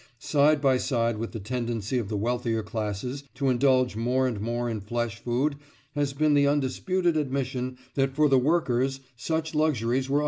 Side by side with the tendency of the wealthier classes to indulge more and more in flesh food has been the undisputed admission that for the workers such luxuries were unneeded.